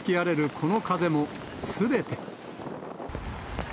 この風も、すべて。